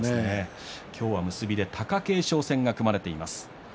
今日は結びで貴景勝戦が組まれています。